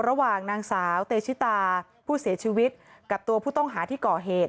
ระหว่างนางสาวเตชิตาผู้เสียชีวิตกับตัวผู้ต้องหาที่ก่อเหตุ